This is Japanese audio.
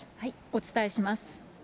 お伝えします。